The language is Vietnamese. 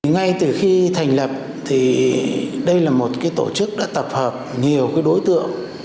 ngay từ khi thành lập đây là một tổ chức đã tập hợp nhiều đối tượng